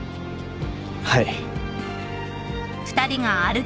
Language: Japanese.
はい。